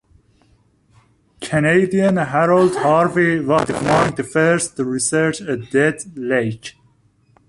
Canadian Harold Harvey was among the first to research a "dead" lake.